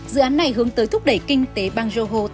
dự án này hướng tới thúc đẩy kinh tế bang jooho